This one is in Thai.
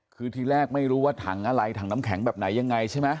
คือทีแรกไม่รู้ว่าถังอะไรถังน้ำแข็งแบบไหนยังไงใช่ไหม